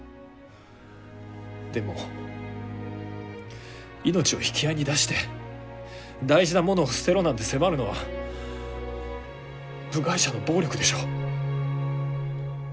でも命を引き合いに出して大事なものを捨てろなんて迫るのは部外者の暴力でしょう。